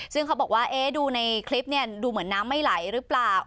ซึ่งเขาบอกว่าดูในคลิปดูเหมือนน้ำไม่ไหลหรือเปล่า